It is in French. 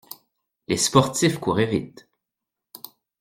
Les sportifs courraient vite.